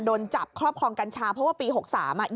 โดนจับครอบครองกัญชาเพราะว่าปี๖๓อ่ะ